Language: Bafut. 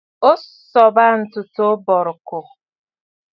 O sɔ̀bə ntsu tǒ bɔ̀rɨkòò.